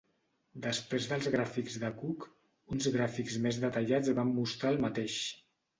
Després dels gràfics de Cook, uns gràfics més detallats van mostrar el mateix.